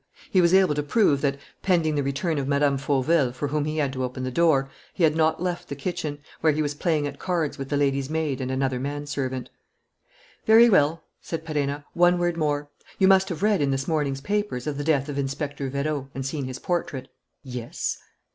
He was able to prove that, pending the return of Mme. Fauville, for whom he had to open the door, he had not left the kitchen, where he was playing at cards with the lady's maid and another manservant. "Very well," said Perenna. "One word more. You must have read in this morning's papers of the death of Inspector Vérot and seen his portrait." "Yes."